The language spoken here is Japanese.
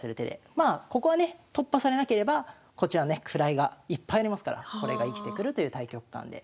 まあここはね突破されなければこっちはね位がいっぱいありますからこれが生きてくるという大局観で。